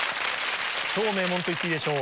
超名門といっていいでしょう